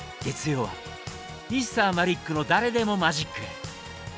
月曜は「Ｍｒ．マリックの誰でもマジック！」。